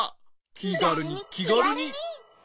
きがるにきがるに。